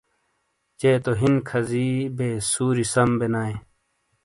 چے تو ہین کھازی بے سوری سم بے نائے ۔